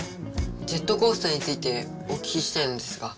ジェットコースターについてお聞きしたいのですが。